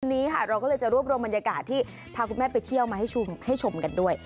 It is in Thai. วันนี้ค่ะเราก็เลยจะรวบรวมบรรยากาศที่พาคุณแม่ไปเที่ยวมาให้ชมกันด้วย